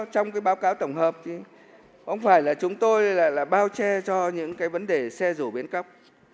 trong cái báo cáo tổng hợp thì ông phải là chúng tôi là bao che cho những cái vấn đề xe rủ bến cóc